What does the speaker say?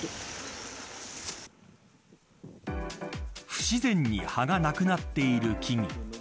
不自然に葉がなくなっている木々。